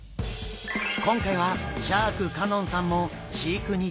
今回はシャーク香音さんも飼育に挑戦！